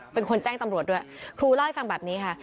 เป็นคนแจ้งตำรวจด้วยครูเล่าให้ฟังแบบนี้ค่ะ